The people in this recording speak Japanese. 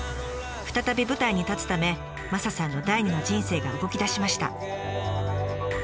再び舞台に立つためマサさんの第二の人生が動きだしました。